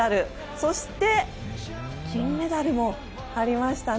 そして金メダルもありましたね。